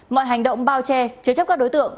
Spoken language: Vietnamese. mọi hành động bao che chứa chấp các đối tượng